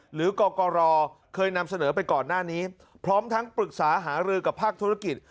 กรกรเคยนำเสนอไปก่อนหน้านี้พร้อมทั้งปรึกษาหารือกับภาคธุรกิจ